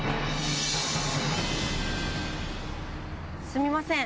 すみません。